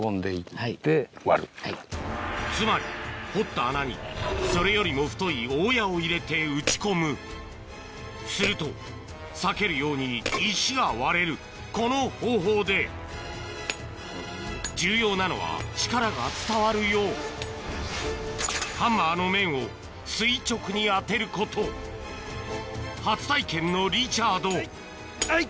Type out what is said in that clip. つまり掘った穴にそれよりも太い大矢を入れて打ち込むすると裂けるように石が割れるこの方法で重要なのは力が伝わるよう初体験のリチャードあい！